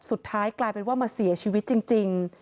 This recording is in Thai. สุดท้ายกลายเป็นว่ามาเสียชีวิตจริง